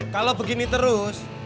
kalau begini terus